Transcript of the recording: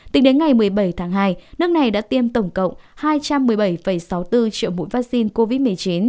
tính đến ngày một mươi bảy tháng hai nước này đã tiêm tổng cộng hai trăm một mươi bảy sáu mươi bốn triệu mũi vaccine covid một mươi chín